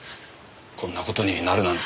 こんな事になるなんて。